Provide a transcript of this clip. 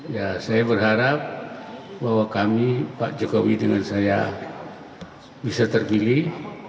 ya saya berharap bahwa kami pak jokowi dengan saya bisa terpilih